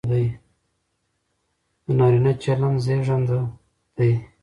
د نارينه چلن زېږنده دى،